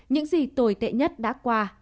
những gì tồi tệ nhất đã qua